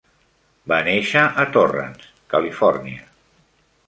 Va néixer a Torrance, Califòrnia.